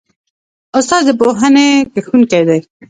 استاد د پوهې کښتونکی دی.